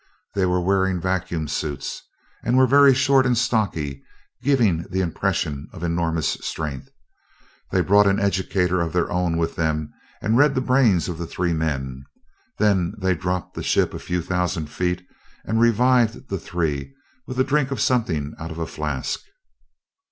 They were wearing vacuum suits and were very short and stocky, giving the impression of enormous strength. They brought an educator of their own with them and read the brains of the three men. Then they dropped the ship a few thousand feet and revived the three with a drink of something out of a flask."